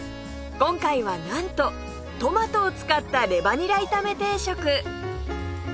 今回はなんとトマトを使ったレバにら炒め定食